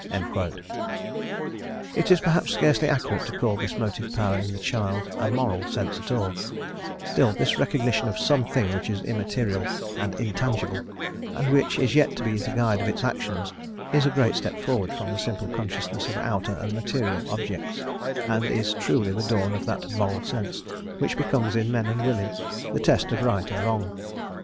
It is perhaps scarcely accurate to call this motive power in the child a moral sense at all; still, this recognition of some thing which is immaterial and intangible, and which is yet to be the guide of its actions, is a great step forward from the simple consciousness of outer and material objects, and is truly the dawn of that moral sense which becomes in men and women the test of right and wrong.